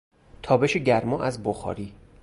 تابش گرما از بخاری